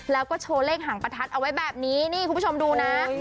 แล้วก็โชว์เลขหางประทัดเอาไว้แบบนี้นี่คุณผู้ชมดูนะ